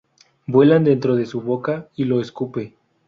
Vuelan dentro de su boca y lo escupe.